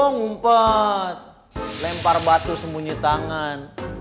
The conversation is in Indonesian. ngumpet lempar batu sembunyi tangan